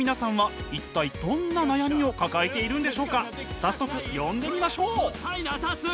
早速呼んでみましょう！